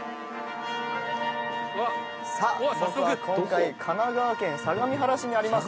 僕は今回神奈川県相模原市にあります